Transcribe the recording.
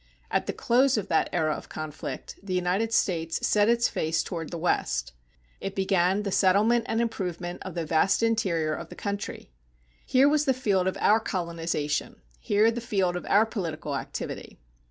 At the close of that era of conflict, the United States set its face toward the West. It began the settlement and improvement of the vast interior of the country. Here was the field of our colonization, here the field of our political activity.